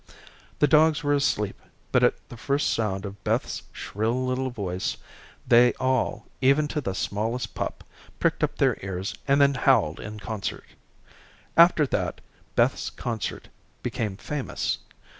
The dogs were asleep, but at the first sound of Beth's shrill little voice, they all, even to the smallest pup, pricked up their ears, and then howled in concert. After that Beth's concert became famous.